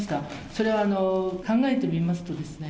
それは考えてみますとですね、